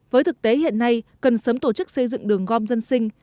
với thực tế hiện nay cần sớm tổ chức xây dựng đường gom dân sinh